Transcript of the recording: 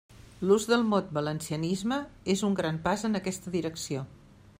L'ús del mot valencianisme és un gran pas en aquesta direcció.